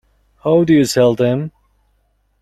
How do you sell them?